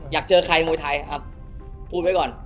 อยากเจอใครมวยไทยครับพูดไว้ก่อน